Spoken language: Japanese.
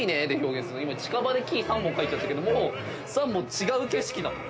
近場で木３本描いちゃったけどもう３本違う景色だもん。